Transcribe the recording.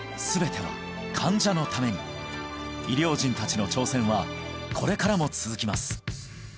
全ては患者のために医療人達の挑戦はこれからも続きます